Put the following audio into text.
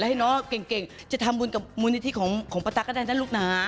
ให้น้องเก่งจะทำบุญกับมูลนิธิของปะตั๊ก็ได้นะลูกนะ